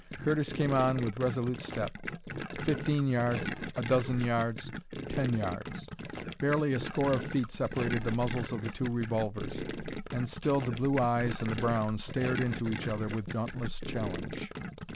Curtis came on with resolute step fifteen yards, a dozen yards, ten yards. Barely a score of feet separated the muzzles of the two revolvers, and still the blue eyes and the brown stared into each other with dauntless challenge.